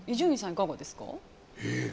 いかがですか？